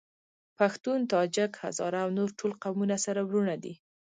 پښتون ، تاجک ، هزاره او نور ټول قومونه سره وروڼه دي.